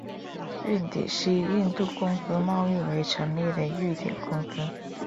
瑞典西印度公司贸易而成立的瑞典公司。